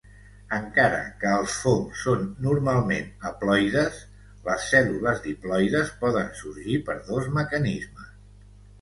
Encara que els fongs són normalment haploides, les cèl·lules diploides poden sorgir per dos mecanismes.